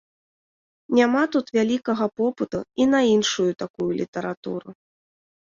Няма тут вялікага попыту і на іншую такую літаратуру.